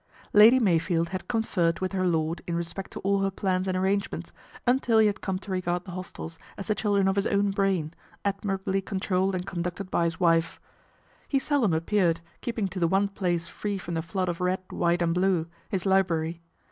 Lady Meyfield had conferred with her lord in i espect to all her plans and arrangements, until he had come to regard the hostels as the children of his own brain, admirably controlled and con ducted by his wife. He seldom appeared, keeping to the one place free from the flood of red, white, and blue his library.